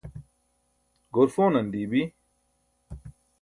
goor pʰonan dii bi.